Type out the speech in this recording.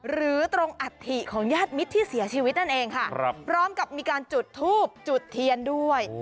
หรือตรงอัฐิของญาติมิตรที่เสียชีวิตนั่นเองค่ะพร้อมกับมีการจุดทูบจุดเทียนด้วย